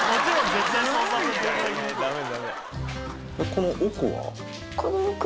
この奥は。